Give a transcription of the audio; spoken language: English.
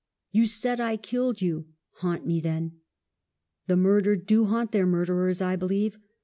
You said I killed you — haunt me then! The murdered do haunt their murderers, I believe.